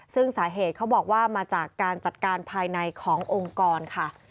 ซึ่งสาเหตุเขาบอกว่ามาจากการจัดการภายในขององค์กรค่ะ